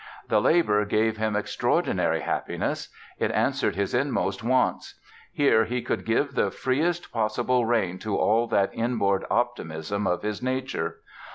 The labor gave him extraordinary happiness. It answered his inmost wants. Here he could give the freest possible rein to all that inborn optimism of his nature.